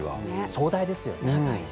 壮大ですよね。